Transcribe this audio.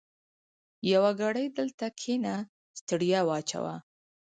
يوه ګړۍ دلته کېنه؛ ستړیا واچوه.